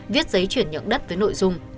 viết giấy chuyển nhận đất với nội dung